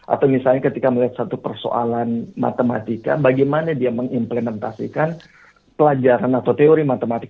atau misalnya ketika melihat satu persoalan matematika bagaimana dia mengimplementasikan pelajaran atau teori matematik